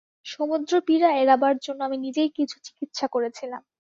সমুদ্রপীড়া এড়াবার জন্য আমি নিজেই কিছু চিকিৎসা করেছিলাম।